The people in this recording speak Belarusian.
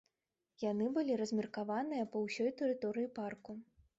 Яны былі размеркаваныя па ўсёй тэрыторыі парку.